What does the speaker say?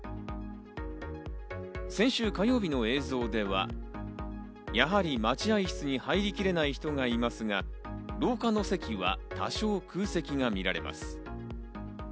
先週火曜日の映像では、やはり待合室に入りきれない人がいますが、廊下の席は多少空席が見られます。